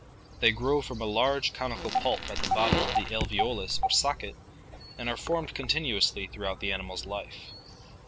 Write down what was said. They grow from a large conical pulp at the bottom of the alveolus or socket, and are formed continuously throughout the animal's life.